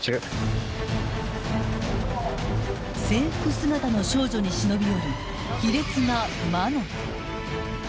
［制服姿の少女に忍び寄る卑劣な魔の手］